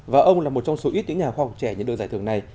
và ông là một trong số ít những nhà khoa học trẻ những đợt giải thưởng này